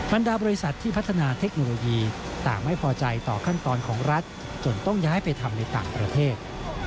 บรรดาบริษัทที่พัฒนาเทคโนโลยีต่างไม่พอใจต่อขั้นตอนของรัฐจนต้องย้ายไปทำในต่างประเทศ